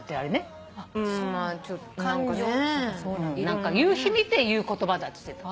何か夕日見て言う言葉だって。